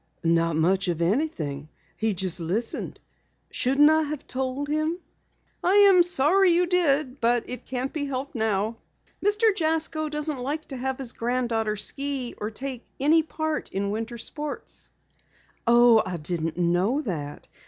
"Not much of anything. He just listened. Shouldn't I have told him?" "I am sorry you did, but it can't be helped now. Mr. Jasko doesn't like to have his granddaughter ski or take any part in winter sports." "Oh, I didn't know that.